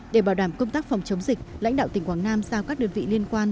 để bảo đảm công tác phòng chống dịch lãnh đạo tỉnh quảng nam giao các đơn vị liên quan